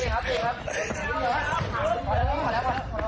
หมดแล้วหมดแล้ว